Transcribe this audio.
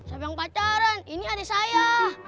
siapa yang pacaran ini adik saya